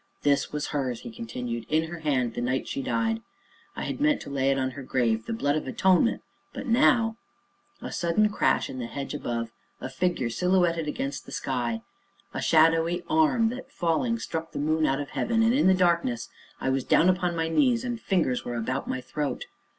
"This was hers," he continued, "in her hand, the night she died I had meant to lay it on her grave the blood of atonement but now " A sudden crash in the hedge above; a figure silhouetted against the sky; a shadowy arm, that, falling, struck the moon out of heaven, and, in the darkness, I was down upon my knees, and fingers were upon my throat.